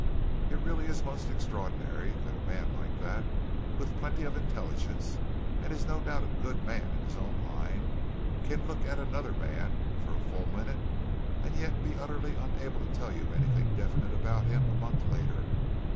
"It really is most extraordinary that a man like that, with plenty of intelligence, and is no doubt a good man in his own line, can look at another man for a full minute and yet be utterly unable to tell you anything definite about him a month later!